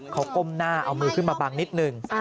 เขาก้มหน้าเอามือขึ้นมาบังนิดหนึ่ง